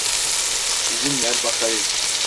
İzin ver bakayım.